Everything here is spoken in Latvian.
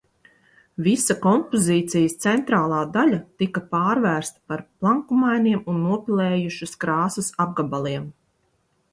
Visa kompozīcijas centrālā daļa tika pārvērsta par plankumiem un nopilējušas krāsas apgabaliem.